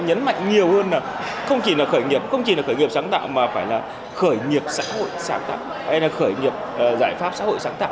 nhấn mạnh nhiều hơn là không chỉ là khởi nghiệp sáng tạo mà phải là khởi nghiệp giải pháp xã hội sáng tạo